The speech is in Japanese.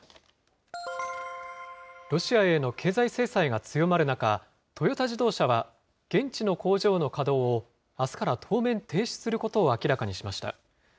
ロシアへの経済制裁が強まる中、トヨタ自動車は、現地の工場の稼働をあすから当面、停止することを明らかにしました。